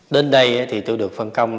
đến đây thì tôi được phân công